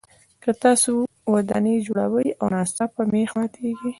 که تاسو ودانۍ جوړوئ او ناڅاپه مېخ ماتیږي.